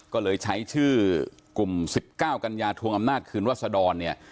ก็เลยใช้ชื่อกลุ่ม๑๙กันยาทวงอำนาจคืนวัศดรเนี่ย